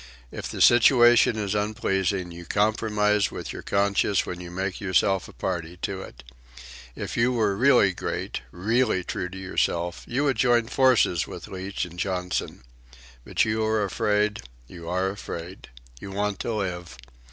"If the situation is unpleasing, you compromise with your conscience when you make yourself a party to it. If you were really great, really true to yourself, you would join forces with Leach and Johnson. But you are afraid, you are afraid. You want to live.